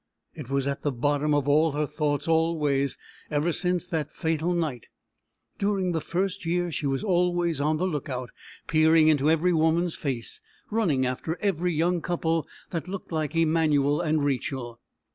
It was at the bottom of all her thoughts always, ever since that fatal night. During the first year she was always on the lookout, peering into every woman's face, running after every young couple that looked like Emanuel and Rachel.